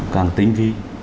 càng tính vi